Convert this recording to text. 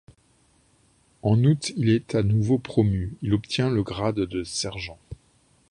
En août, il est à nouveau promu, il obtient le grade de sergent.